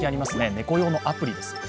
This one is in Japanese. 猫用のアプリです。